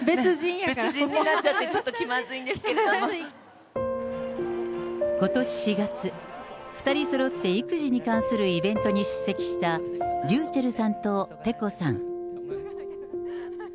別人になっちゃって、ことし４月、２人そろって育児に関するイベントに出席したｒｙｕｃｈｅｌｌさんとペコさん。